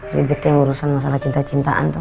ribet yang urusan masalah cinta cintaan tuh